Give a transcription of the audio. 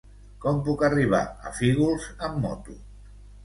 Com puc arribar a Fígols amb moto?